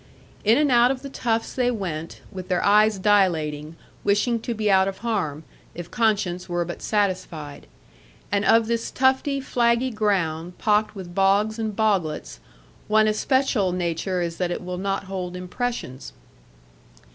In and out of the tufts they went, with their eyes dilating, wishing to be out of harm, if conscience were but satisfied. And of this tufty flaggy ground, pocked with bogs and boglets, one especial nature is that it will not hold impressions.